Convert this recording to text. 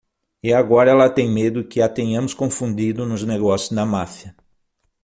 E agora ela tem medo que a tenhamos confundido nos negócios da máfia.